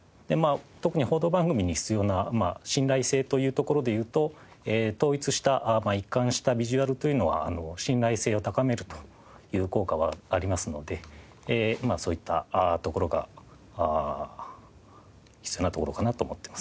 特に報道番組に必要な信頼性というところでいうと統一した一貫したビジュアルというのは信頼性を高めるという効果はありますのでそういったところが必要なところかなと思ってます。